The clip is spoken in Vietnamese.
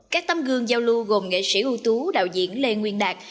các tấm gương giao lưu gồm nghệ sĩ ưu tú đạo diễn lê nguyên đạt